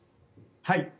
はい。